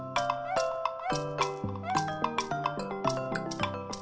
kok wa gue ga dibalas sih